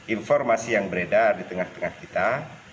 informasi yang beredar di tengah tengah kita